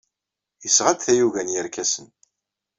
Yesɣa-d tayuga n yerkasen.